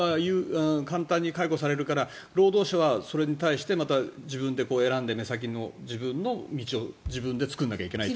簡単に解雇されるから労働者はそれに対して自分で選んで、自分の道を自分で作らなきゃいけない。